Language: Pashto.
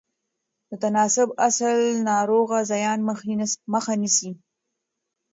د تناسب اصل د ناوړه زیان مخه نیسي.